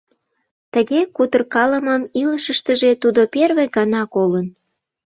Тыге кутыркалымым илышыштыже тудо первый гана колын.